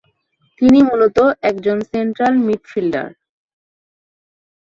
তিনি মূলত একজন সেন্ট্রাল মিডফিল্ডার।